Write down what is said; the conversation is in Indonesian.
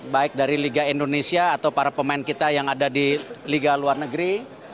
baik dari liga indonesia atau para pemain kita yang ada di liga luar negeri